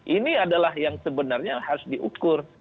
ini adalah yang sebenarnya harus diukur